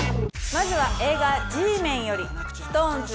まずは映画『Ｇメン』よりＳｉｘＴＯＮＥＳ